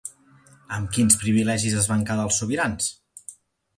Amb quins privilegis es van quedar els sobirans?